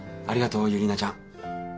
ありがとうユリナちゃん。